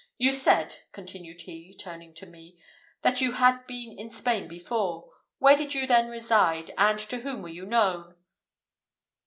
You said," continued he, turning to me, "that you had been in Spain before. Where did you then reside, and to whom were you known?"